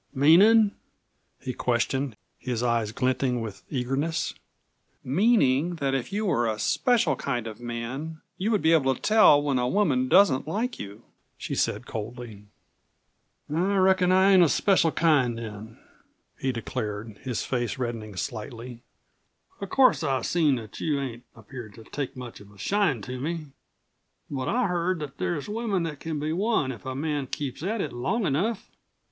"Meanin'?" he questioned, his eyes glinting with eagerness. "Meaning that if you were a 'special kind of man' you would be able to tell when a woman doesn't like you," she said coldly. "I reckon that I ain't a special kind then," he declared, his face reddening slightly. "Of course, I've seen that you ain't appeared to take much of a shine to me. But I've heard that there's women that can be won if a man keeps at it long enough."